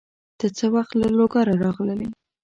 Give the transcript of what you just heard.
ته څه وخت له لوګره راغلې؟